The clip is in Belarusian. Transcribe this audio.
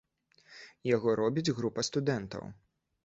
Яго робіць група студэнтаў.